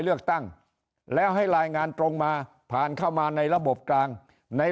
เลือกตั้งแล้วให้รายงานตรงมาผ่านเข้ามาในระบบกลางใน